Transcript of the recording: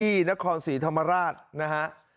ที่นครศรีธรรมราชนะฮะ